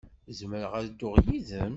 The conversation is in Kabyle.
Zemreɣ ad dduɣ yid-m?